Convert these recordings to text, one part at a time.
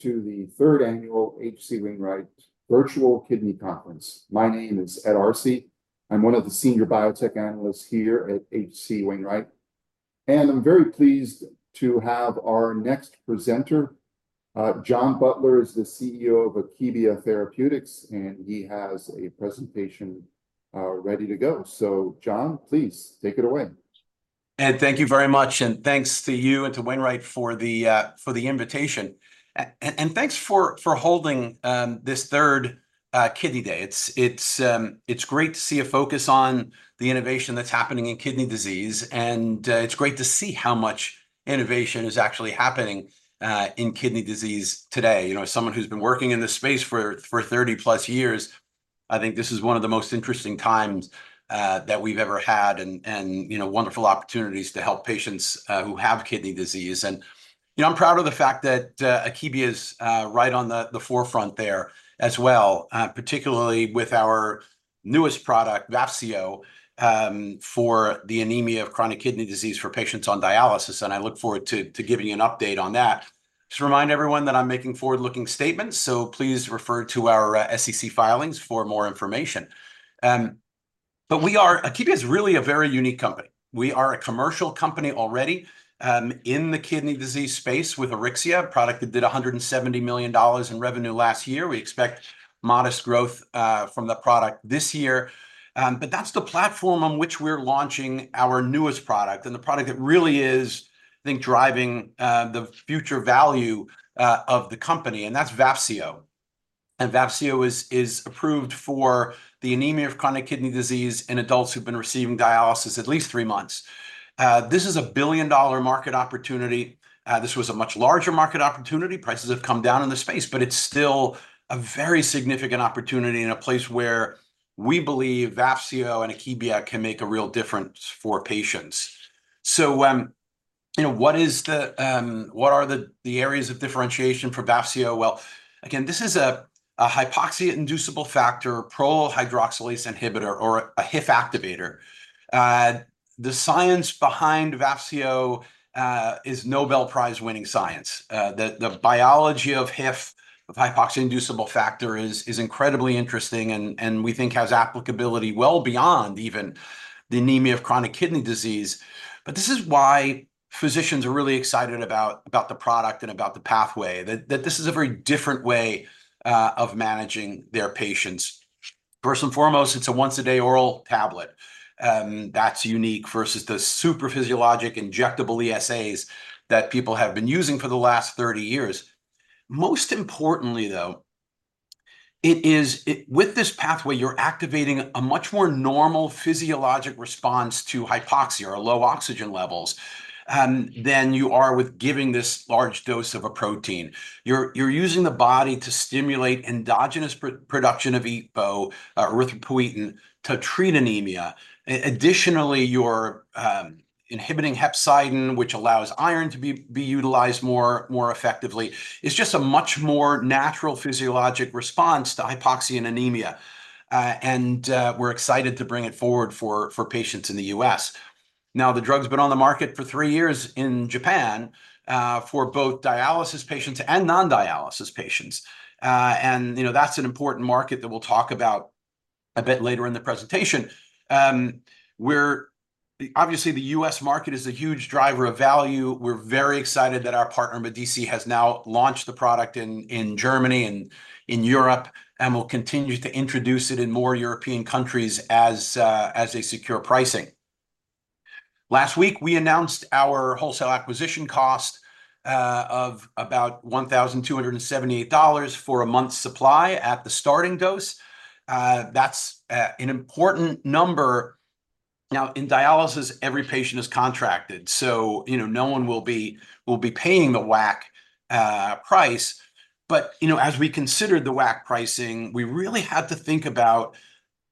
to the third annual H.C. Wainwright Virtual Kidney Conference. My name is Ed Arce. I'm one of the senior biotech analysts here at H.C. Wainwright, and I'm very pleased to have our next presenter. John Butler is the CEO of Akebia Therapeutics, and he has a presentation ready to go. So John, please take it away. Ed, thank you very much, and thanks to you and to Wainwright for the invitation. And thanks for holding this third Kidney Day. It's great to see a focus on the innovation that's happening in kidney disease, and it's great to see how much innovation is actually happening in kidney disease today. You know, as someone who's been working in this space for 30-plus years, I think this is one of the most interesting times that we've ever had and, you know, wonderful opportunities to help patients who have kidney disease. You know, I'm proud of the fact that Akebia is right on the forefront there as well, particularly with our newest product, Vafseo, for the anemia of chronic kidney disease for patients on dialysis, and I look forward to giving you an update on that. Just remind everyone that I'm making forward-looking statements, so please refer to our SEC filings for more information. But Akebia is really a very unique company. We are a commercial company already in the kidney disease space with Auryxia, a product that did $170 million in revenue last year. We expect modest growth from the product this year. But that's the platform on which we're launching our newest product, and the product that really is, I think, driving the future value of the company, and that's Vafseo. And Vafseo is approved for the anemia of chronic kidney disease in adults who've been receiving dialysis at least three months. This is a billion-dollar market opportunity. This was a much larger market opportunity. Prices have come down in the space, but it's still a very significant opportunity, and a place where we believe Vafseo and Akebia can make a real difference for patients. So, you know, what is the... what are the areas of differentiation for Vafseo? Well, again, this is a hypoxia-inducible factor prolyl hydroxylase inhibitor or a HIF activator. The science behind Vafseo is Nobel Prize-winning science. The biology of HIF, of hypoxia-inducible factor, is incredibly interesting, and we think has applicability well beyond even the anemia of chronic kidney disease. But this is why physicians are really excited about the product and about the pathway, that this is a very different way of managing their patients. First and foremost, it's a once-a-day oral tablet. That's unique versus the super physiologic injectable ESAs that people have been using for the last 30 years. Most importantly, though, it is with this pathway, you're activating a much more normal physiologic response to hypoxia or low oxygen levels than you are with giving this large dose of a protein. You're using the body to stimulate endogenous production of EPO, erythropoietin, to treat anemia. Additionally, you're inhibiting hepcidin, which allows iron to be utilized more effectively. It's just a much more natural physiologic response to hypoxia and anemia, and we're excited to bring it forward for patients in the U.S. Now, the drug's been on the market for three years in Japan for both dialysis patients and non-dialysis patients. You know, that's an important market that we'll talk about a bit later in the presentation. Where, obviously, the U.S. market is a huge driver of value. We're very excited that our partner, Medice, has now launched the product in Germany and in Europe, and will continue to introduce it in more European countries as they secure pricing. Last week, we announced our wholesale acquisition cost of about $1,278 for a month's supply at the starting dose. That's an important number. Now, in dialysis, every patient is contracted, so, you know, no one will be paying the WAC price. But, you know, as we considered the WAC pricing, we really had to think about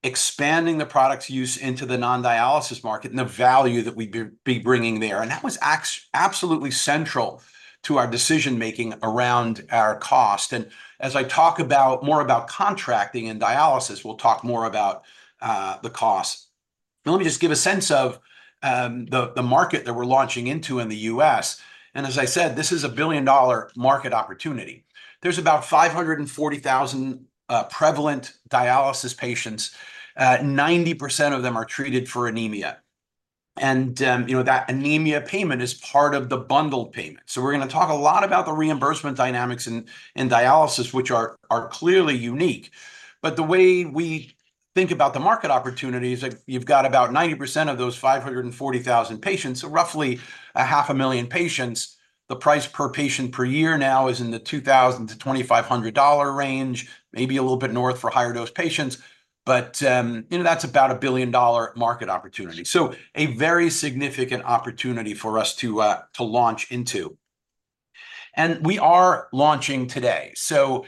expanding the product's use into the non-dialysis market, and the value that we'd be bringing there, and that was absolutely central to our decision-making around our cost. And as I talk more about contracting and dialysis, we'll talk more about the cost. Let me just give a sense of the market that we're launching into in the U.S., and as I said, this is a billion-dollar market opportunity. There's about 540,000 prevalent dialysis patients. 90% of them are treated for anemia, and, you know, that anemia payment is part of the bundled payment. So we're gonna talk a lot about the reimbursement dynamics in dialysis, which are clearly unique. But the way we think about the market opportunity is that you've got about 90% of those 540,000 patients, so roughly 500,000 patients. The price per patient per year now is in the $2,000-$2,500 range, maybe a little bit north for higher-dose patients, but you know, that's about a billion-dollar market opportunity. So a very significant opportunity for us to launch into. And we are launching today. So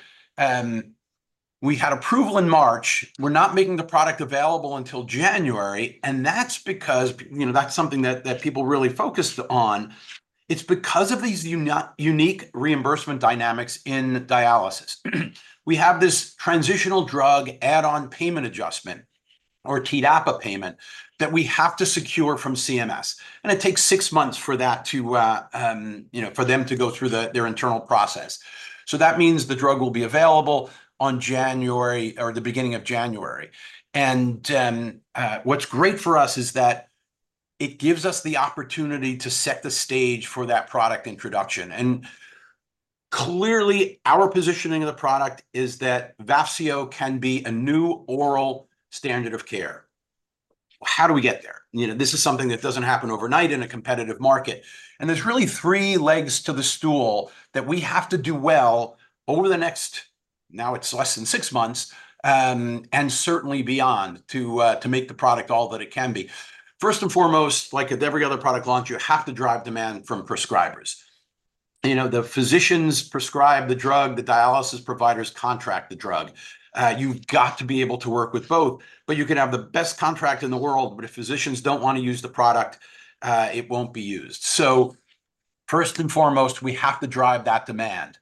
we had approval in March. We're not making the product available until January, and that's because you know, that's something that people really focused on. It's because of these unique reimbursement dynamics in dialysis. We have this Transitional Drug Add-on Payment Adjustment. or TDAPA payment that we have to secure from CMS, and it takes six months for that to, you know, for them to go through their internal process. So that means the drug will be available on January, or the beginning of January. And, what's great for us is that it gives us the opportunity to set the stage for that product introduction. And clearly, our positioning of the product is that Vafseo can be a new oral standard of care. How do we get there? You know, this is something that doesn't happen overnight in a competitive market, and there's really three legs to the stool that we have to do well over the next, now it's less than six months, and certainly beyond, to make the product all that it can be. First and foremost, like with every other product launch, you have to drive demand from prescribers. You know, the physicians prescribe the drug, the dialysis providers contract the drug. You've got to be able to work with both, but you can have the best contract in the world, but if physicians don't want to use the product, it won't be used. So first and foremost, we have to drive that demand.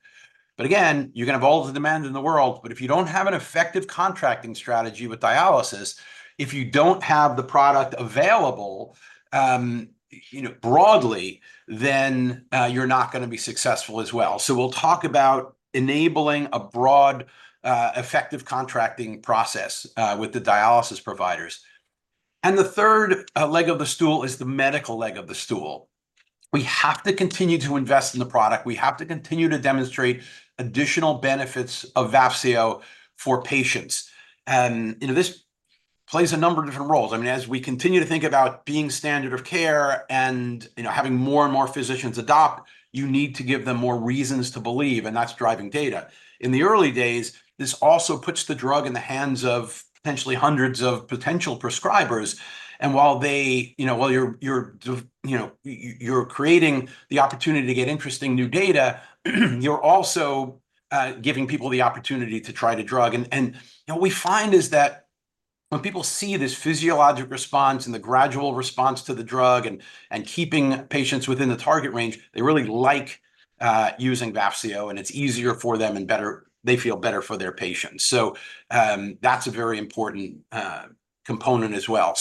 But again, you can have all the demand in the world, but if you don't have an effective contracting strategy with dialysis, if you don't have the product available, you know, broadly, then, you're not gonna be successful as well. So we'll talk about enabling a broad, effective contracting process, with the dialysis providers. And the third leg of the stool is the medical leg of the stool. We have to continue to invest in the product. We have to continue to demonstrate additional benefits of Vafseo for patients. And, you know, this plays a number of different roles. I mean, as we continue to think about being standard of care and, you know, having more and more physicians adopt, you need to give them more reasons to believe, and that's driving data. In the early days, this also puts the drug in the hands of potentially hundreds of potential prescribers. And while they, you know, while you're, you know, you're creating the opportunity to get interesting new data, you're also giving people the opportunity to try the drug. What we find is that when people see this physiologic response and the gradual response to the drug and keeping patients within the target range, they really like using Vafseo, and it's easier for them, and better, they feel better for their patients. That's a very important component as well.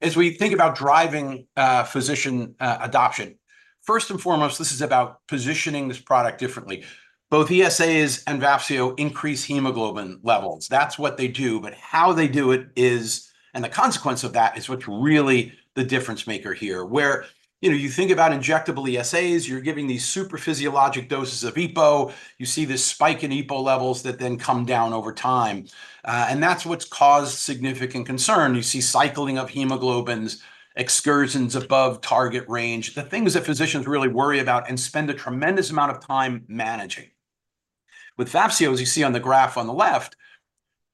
As we think about driving physician adoption, first and foremost, this is about positioning this product differently. Both ESAs and Vafseo increase hemoglobin levels. That's what they do. But how they do it is and the consequence of that is what's really the difference-maker here. Where, you know, you think about injectable ESAs, you're giving these super physiologic doses of EPO. You see this spike in EPO levels that then come down over time. And that's what's caused significant concern. You see cycling of hemoglobins, excursions above target range, the things that physicians really worry about and spend a tremendous amount of time managing. With Vafseo, as you see on the graph on the left,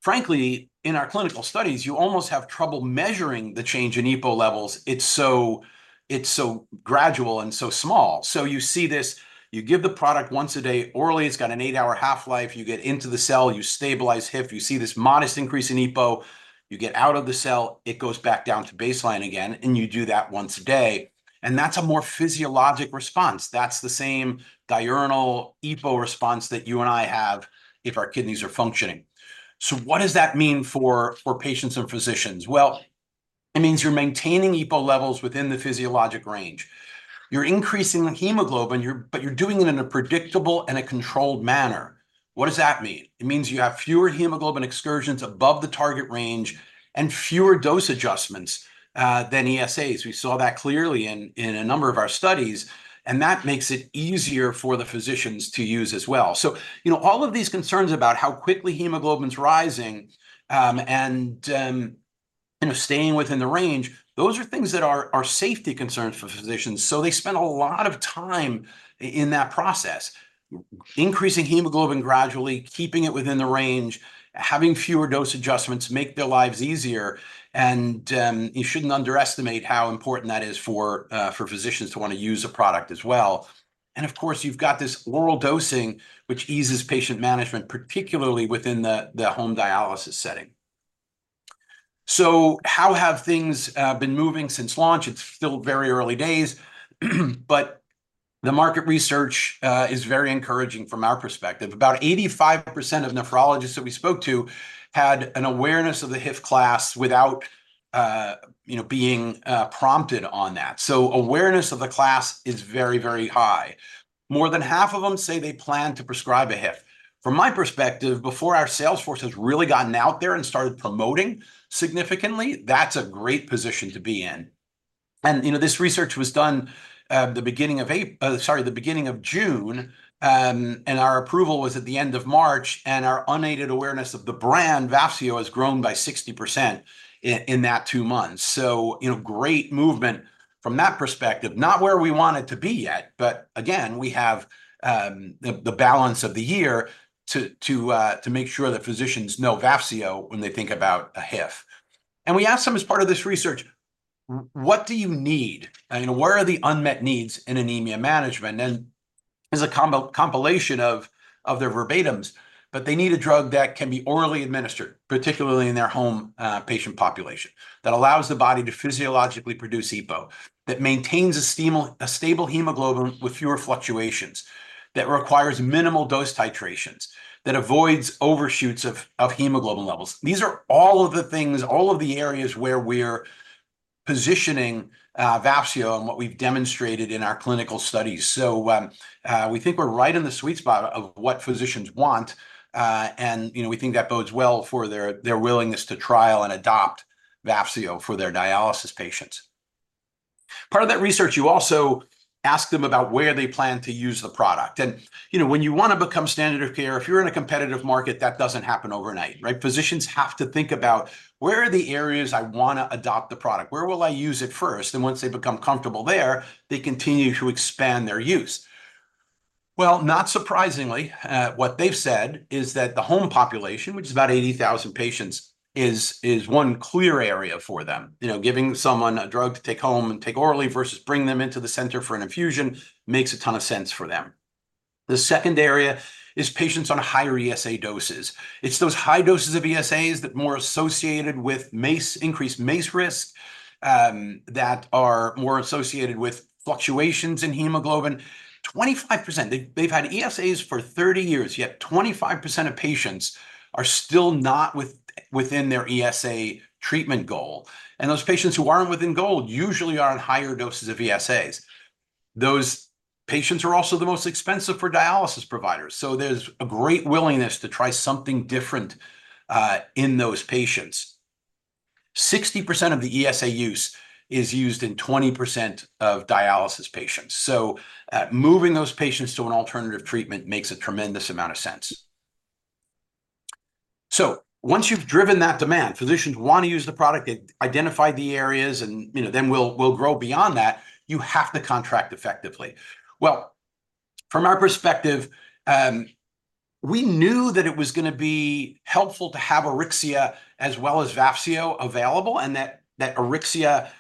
frankly, in our clinical studies, you almost have trouble measuring the change in EPO levels. It's so, it's so gradual and so small. So you see this, you give the product once a day orally. It's got an 8-hour half-life. You get into the cell, you stabilize HIF. You see this modest increase in EPO. You get out of the cell, it goes back down to baseline again, and you do that once a day. And that's a more physiologic response. That's the same diurnal EPO response that you and I have if our kidneys are functioning. So what does that mean for, for patients and physicians? Well, it means you're maintaining EPO levels within the physiologic range. You're increasing the hemoglobin, but you're doing it in a predictable and a controlled manner. What does that mean? It means you have fewer hemoglobin excursions above the target range and fewer dose adjustments than ESAs. We saw that clearly in a number of our studies, and that makes it easier for the physicians to use as well. So, you know, all of these concerns about how quickly hemoglobin's rising, and, you know, staying within the range, those are things that are safety concerns for physicians. So they spend a lot of time in that process. Increasing hemoglobin gradually, keeping it within the range, having fewer dose adjustments, make their lives easier. And, you shouldn't underestimate how important that is for physicians to wanna use a product as well. And of course, you've got this oral dosing, which eases patient management, particularly within the home dialysis setting. So how have things been moving since launch? It's still very early days, but the market research is very encouraging from our perspective. About 85% of nephrologists that we spoke to had an awareness of the HIF class without you know being prompted on that. So awareness of the class is very, very high. More than half of them say they plan to prescribe a HIF. From my perspective, before our sales force has really gotten out there and started promoting significantly, that's a great position to be in. You know, this research was done the beginning of June, and our approval was at the end of March, and our unaided awareness of the brand, Vafseo, has grown by 60% in that two months. So, you know, great movement from that perspective. Not where we want it to be yet, but again, we have the balance of the year to make sure that physicians know Vafseo when they think about a HIF. And we asked them as part of this research, what do you need? And you know, what are the unmet needs in anemia management? Here's a compilation of their verbatims, but they need a drug that can be orally administered, particularly in their home patient population, that allows the body to physiologically produce EPO, that maintains a stable hemoglobin with fewer fluctuations, that requires minimal dose titrations, that avoids overshoots of hemoglobin levels. These are all of the things, all of the areas where we're positioning Vafseo and what we've demonstrated in our clinical studies. We think we're right in the sweet spot of what physicians want. And, you know, we think that bodes well for their willingness to trial and adopt Vafseo for their dialysis patients. Part of that research, you also ask them about where they plan to use the product. And, you know, when you wanna become standard of care, if you're in a competitive market, that doesn't happen overnight, right? Physicians have to think about, "Where are the areas I wanna adopt the product? Where will I use it first?" And once they become comfortable there, they continue to expand their use. Well, not surprisingly, what they've said is that the home population, which is about 80,000 patients, is one clear area for them. You know, giving someone a drug to take home and take orally versus bringing them into the center for an infusion makes a ton of sense for them. The second area is patients on higher ESA doses. It's those high doses of ESAs that more associated with MACE, increased MACE risk, that are more associated with fluctuations in hemoglobin. 25%, they've had ESAs for 30 years, yet 25% of patients are still not within their ESA treatment goal. And those patients who aren't within goal usually are on higher doses of ESAs. Those patients are also the most expensive for dialysis providers, so there's a great willingness to try something different in those patients. 60% of the ESA use is used in 20% of dialysis patients. So, moving those patients to an alternative treatment makes a tremendous amount of sense. So once you've driven that demand, physicians wanna use the product, they've identified the areas, and, you know, then we'll grow beyond that, you have to contract effectively. Well, from our perspective, we knew that it was gonna be helpful to have Auryxia as well as Vafseo available, and that Auryxia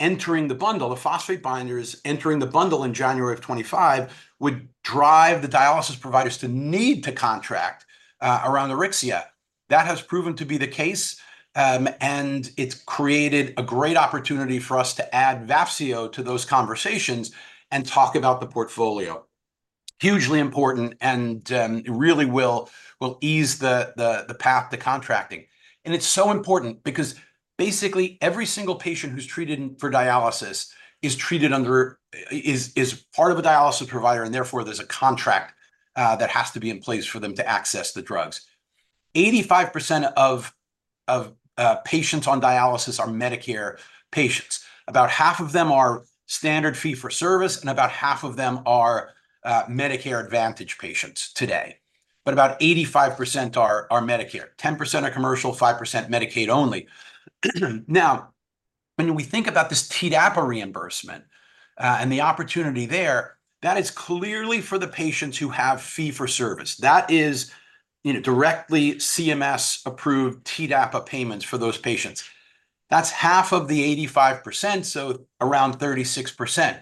entering the bundle, the phosphate binders entering the bundle in January of 2025, would drive the dialysis providers to need to contract around Auryxia. That has proven to be the case, and it's created a great opportunity for us to add Vafseo to those conversations and talk about the portfolio. Hugely important, and it really will ease the path to contracting. And it's so important because basically every single patient who's treated for dialysis is treated under, is part of a dialysis provider, and therefore, there's a contract that has to be in place for them to access the drugs. 85% of patients on dialysis are Medicare patients. About half of them are standard fee-for-service, and about half of them are Medicare Advantage patients today. But about 85% are Medicare, 10% are commercial, 5% Medicaid only. Now, when we think about this TDAPA reimbursement and the opportunity there, that is clearly for the patients who have fee-for-service. That is, you know, directly CMS-approved TDAPA payments for those patients. That's half of the 85%, so around 36%.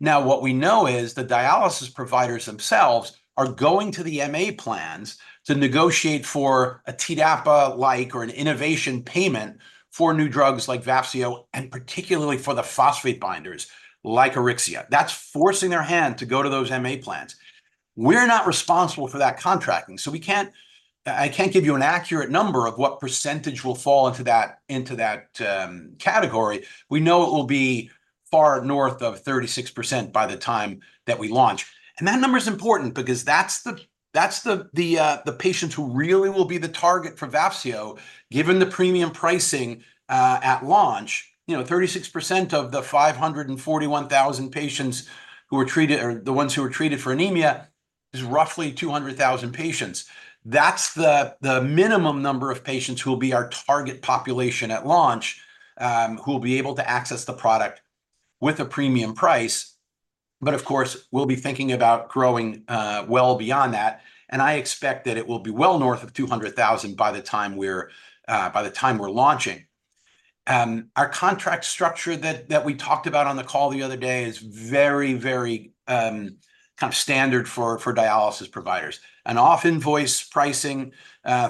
Now, what we know is the dialysis providers themselves are going to the MA plans to negotiate for a TDAPA-like or an innovation payment for new drugs like Vafseo, and particularly for the phosphate binders, like Auryxia. That's forcing their hand to go to those MA plans. We're not responsible for that contracting, so we can't... I can't give you an accurate number of what percentage will fall into that category. We know it will be far north of 36% by the time that we launch. And that number is important because that's the patients who really will be the target for Vafseo, given the premium pricing at launch. You know, 36% of the 541,000 patients who were treated, or the ones who were treated for anemia, is roughly 200,000 patients. That's the minimum number of patients who will be our target population at launch, who will be able to access the product with a premium price. But of course, we'll be thinking about growing well beyond that, and I expect that it will be well north of 200,000 by the time we're launching. Our contract structure that we talked about on the call the other day is very, very kind of standard for dialysis providers. An off-invoice pricing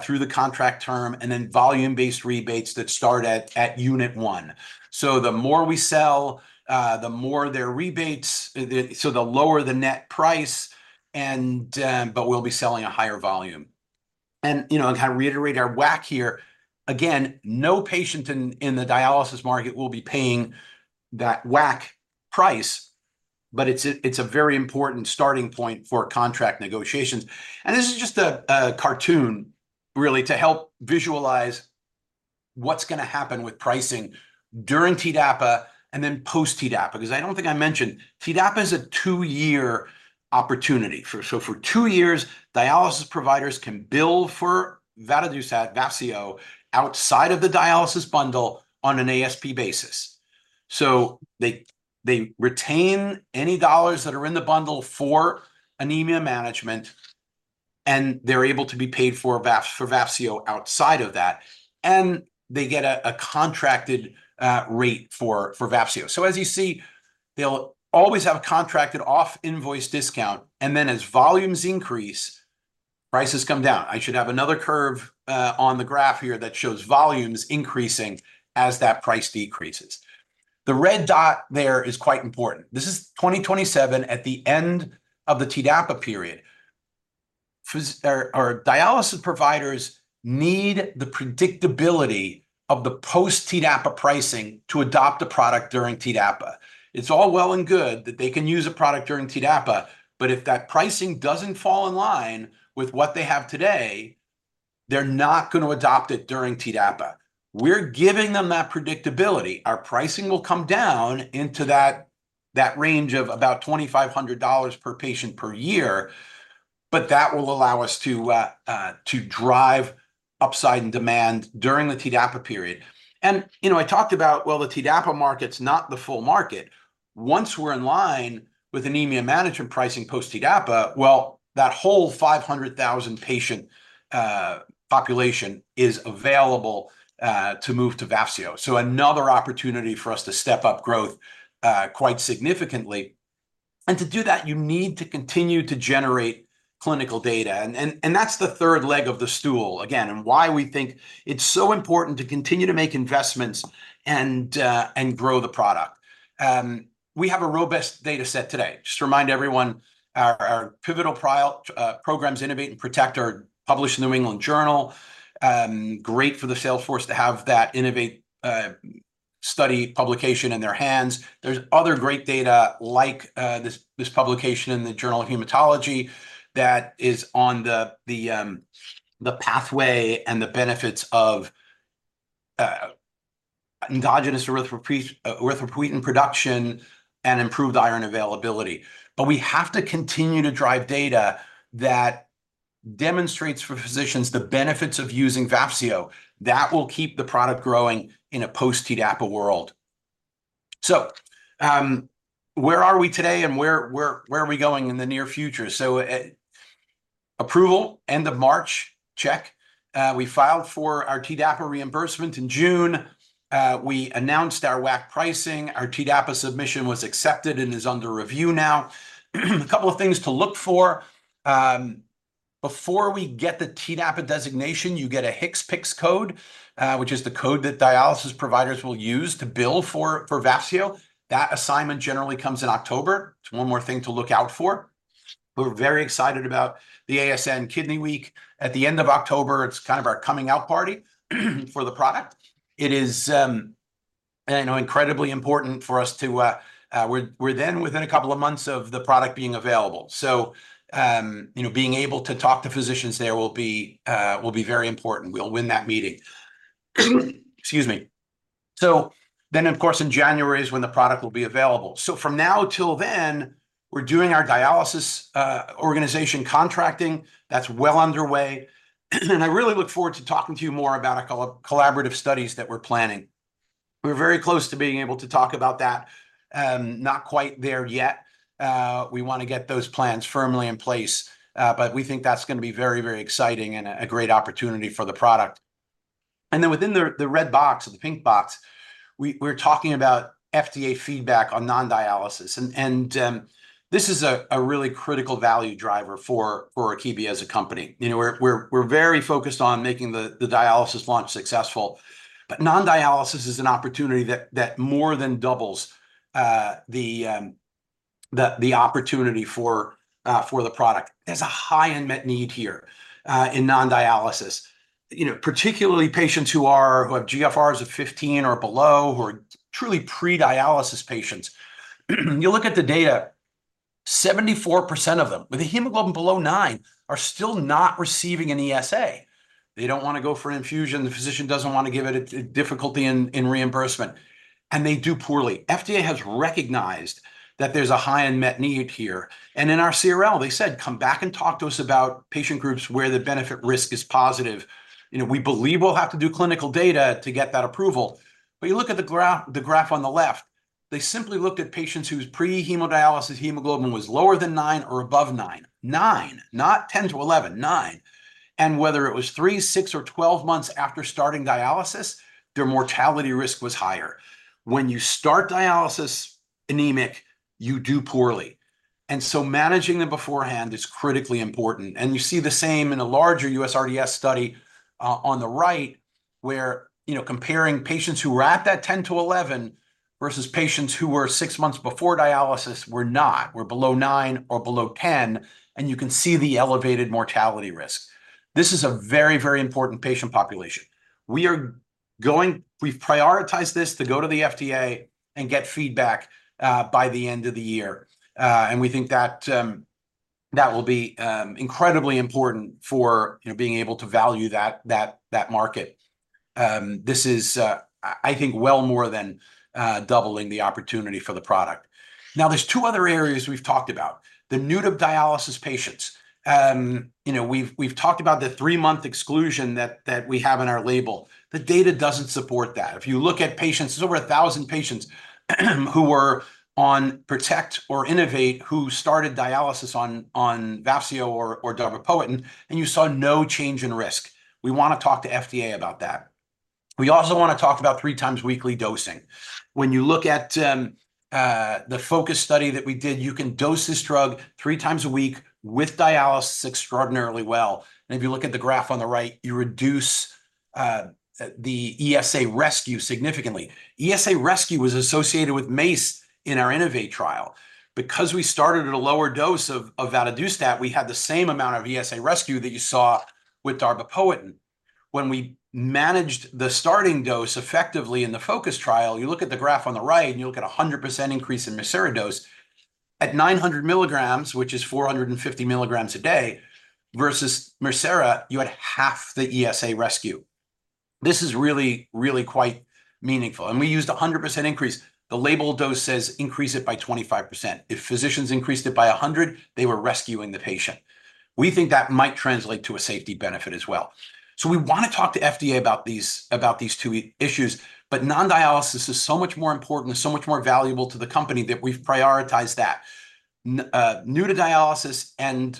through the contract term, and then volume-based rebates that start at unit one. So the more we sell, the more their rebates, so the lower the net price, and but we'll be selling a higher volume. And, you know, and kind of reiterate our WAC here, again, no patient in the dialysis market will be paying that WAC price, but it's a very important starting point for contract negotiations. This is just a cartoon really to help visualize what's gonna happen with pricing during TDAPA and then post-TDAPA, 'cause I don't think I mentioned, TDAPA is a two year opportunity. For two years, dialysis providers can bill for vadadustat, Vafseo, outside of the dialysis bundle on an ASP basis. So they retain any dollars that are in the bundle for anemia management, and they're able to be paid for Vafseo outside of that, and they get a contracted rate for Vafseo. So as you see, they'll always have a contracted off-invoice discount, and then as volumes increase, prices come down. I should have another curve on the graph here that shows volumes increasing as that price decreases. The red dot there is quite important. This is 2027 at the end of the TDAPA period. Physicians or dialysis providers need the predictability of the post-TDAPA pricing to adopt a product during TDAPA. It's all well and good that they can use a product during TDAPA, but if that pricing doesn't fall in line with what they have today, they're not gonna adopt it during TDAPA. We're giving them that predictability. Our pricing will come down into that range of about $2,500 per patient per year, but that will allow us to drive upside and demand during the TDAPA period. And, you know, I talked about, well, the TDAPA market's not the full market. Once we're in line with anemia management pricing post-TDAPA, well, that whole 500,000-patient population is available to move to Vafseo. So another opportunity for us to step up growth quite significantly. And to do that, you need to continue to generate clinical data, and that's the third leg of the stool, again, and why we think it's so important to continue to make investments and grow the product. We have a robust data set today. Just to remind everyone, our pivotal programs, Innovate and Protect, are published in the New England Journal. Great for the sales force to have that Innovate study publication in their hands. There's other great data like this, this publication in the Journal of Hematology that is on the pathway and the benefits of endogenous erythropoietin production and improved iron availability. But we have to continue to drive data that demonstrates for physicians the benefits of using Vafseo. That will keep the product growing in a post-TDAPA world. So, where are we today, and where are we going in the near future? So, approval, end of March, check. We filed for our TDAPA reimbursement in June. We announced our WAC pricing. Our TDAPA submission was accepted and is under review now. A couple of things to look for. Before we get the TDAPA designation, you get a HCPCS code, which is the code that dialysis providers will use to bill for Vafseo. That assignment generally comes in October. It's one more thing to look out for. We're very excited about the ASN Kidney Week. At the end of October, it's kind of our coming out party for the product. It is, you know, incredibly important for us to... We're then within a couple of months of the product being available. So, you know, being able to talk to physicians there will be very important. We'll win that meeting. Excuse me. So then, of course, in January is when the product will be available. So from now till then, we're doing our dialysis organization contracting. That's well underway, and I really look forward to talking to you more about our collaborative studies that we're planning. We're very close to being able to talk about that. Not quite there yet. We wanna get those plans firmly in place, but we think that's gonna be very, very exciting and a great opportunity for the product. And then within the red box, or the pink box, we're talking about FDA feedback on non-dialysis. And this is a really critical value driver for Akebia as a company. You know, we're very focused on making the dialysis launch successful, but non-dialysis is an opportunity that more than doubles the opportunity for the product. There's a high unmet need here in non-dialysis. You know, particularly patients who have GFRs of 15 or below, who are truly pre-dialysis patients. You look at the data, 74% of them, with a hemoglobin below nine, are still not receiving an ESA. They don't wanna go for an infusion. The physician doesn't wanna give it. It's difficulty in reimbursement, and they do poorly. FDA has recognized that there's a high unmet need here, and in our CRL, they said, "Come back and talk to us about patient groups where the benefit risk is positive." You know, we believe we'll have to do clinical data to get that approval. But you look at the graph, the graph on the left, they simply looked at patients whose pre-hemodialysis hemoglobin was lower than nine or above nine. nine, not 10-11, nine. And whether it was three, six, or 12 months after starting dialysis, their mortality risk was higher. When you start dialysis anemic, you do poorly, and so managing them beforehand is critically important. And you see the same in a larger USRDS study on the right, where, you know, comparing patients who were at that 10-11 versus patients who were six months before dialysis were not, were below nine or below 10, and you can see the elevated mortality risk. This is a very, very important patient population. We've prioritized this to go to the FDA and get feedback by the end of the year. And we think that that will be incredibly important for, you know, being able to value that market. This is, I think, well more than doubling the opportunity for the product. Now, there's two other areas we've talked about, the new to dialysis patients. You know, we've talked about the three-month exclusion that we have in our label. The data doesn't support that. If you look at patients, there's over 1,000 patients who were on Protect or Innovate, who started dialysis on Vafseo or darbepoetin, and you saw no change in risk. We wanna talk to FDA about that. We also wanna talk about three times weekly dosing. When you look at the FOCUS study that we did, you can dose this drug three times a week with dialysis extraordinarily well. And if you look at the graph on the right, you reduce the ESA rescue significantly. ESA rescue was associated with MACE in our INNOVATE trial. Because we started at a lower dose of vadadustat, we had the same amount of ESA rescue that you saw with darbepoetin. When we managed the starting dose effectively in the FOCUS trial, you look at the graph on the right, and you look at a 100% increase in Mircera dose, at 900 milligrams, which is 450 milligrams a day, versus Mircera, you had half the ESA rescue. This is really, really quite meaningful, and we used a 100% increase. The label dose says increase it by 25%. If physicians increased it by 100, they were rescuing the patient. We think that might translate to a safety benefit as well. So we wanna talk to FDA about these, about these two issues, but non-dialysis is so much more important and so much more valuable to the company that we've prioritized that. Now, new to dialysis and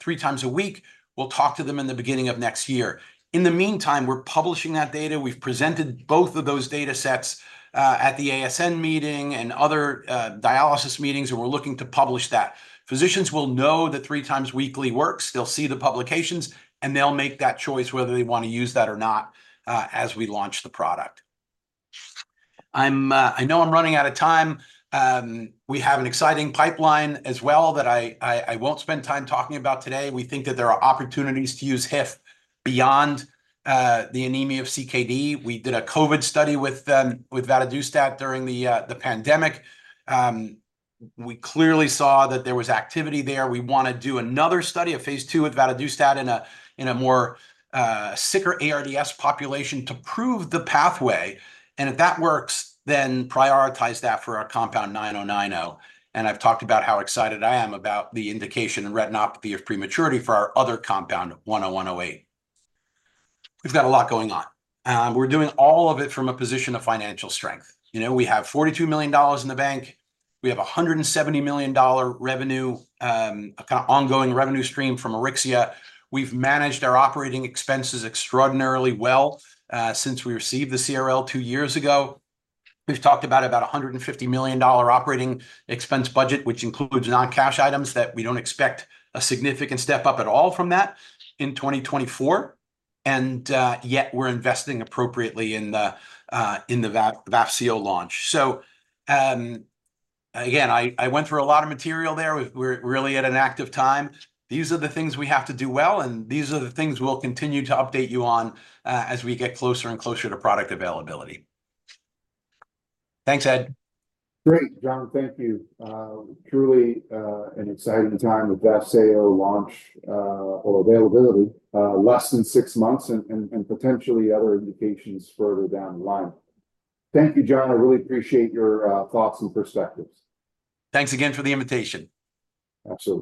three times a week, we'll talk to them in the beginning of next year. In the meantime, we're publishing that data. We've presented both of those data sets at the ASN meeting and other dialysis meetings, and we're looking to publish that. Physicians will know that three times weekly works. They'll see the publications, and they'll make that choice whether they want to use that or not as we launch the product. I know I'm running out of time. We have an exciting pipeline as well that I won't spend time talking about today. We think that there are opportunities to use HIF beyond the anemia of CKD. We did a COVID study with vadadustat during the pandemic. We clearly saw that there was activity there. We wanna do another study, a phase II with vadadustat in a more sicker ARDS population to prove the pathway, and if that works, then prioritize that for our compound 9090, and I've talked about how excited I am about the indication in retinopathy of prematurity for our other compound 10108. We've got a lot going on, and we're doing all of it from a position of financial strength. You know, we have $42 million in the bank. We have $170 million dollar revenue, a kind of ongoing revenue stream from Auryxia. We've managed our operating expenses extraordinarily well since we received the CRL two years ago. We've talked about a $150 million operating expense budget, which includes non-cash items, that we don't expect a significant step-up at all from that in 2024, and yet we're investing appropriately in the Vafseo launch. So, again, I went through a lot of material there. We're really at an active time. These are the things we have to do well, and these are the things we'll continue to update you on as we get closer and closer to product availability. Thanks, Ed. Great, John. Thank you. Truly, an exciting time with Vafseo launch, or availability, less than six months and potentially other indications further down the line. Thank you, John. I really appreciate your thoughts and perspectives. Thanks again for the invitation. Absolutely.